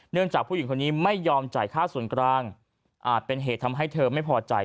จากผู้หญิงคนนี้ไม่ยอมจ่ายค่าส่วนกลางอาจเป็นเหตุทำให้เธอไม่พอใจ